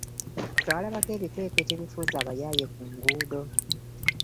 Twalabako ebikwekweto ebifuuza abayaaye ku nguudo.